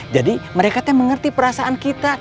jadi mereka mengerti perasaan kita